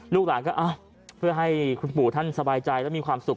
ลูกหลานก็เอ้าเพื่อให้คุณปู่ท่านสบายใจและมีความสุข